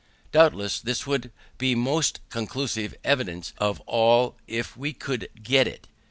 Doubtless this would be the most conclusive evidence of all if we could get it.